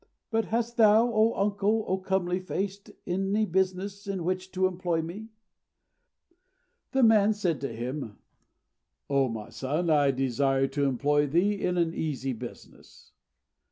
But hast thou, O uncle, O comely faced, any business in which to employ me?" The man said to him, "O my son, I desire to employ thee in an easy business."